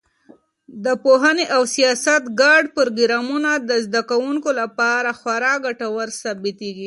د پوهنې او سیاحت ګډ پروګرامونه د زده کوونکو لپاره خورا ګټور ثابتېږي.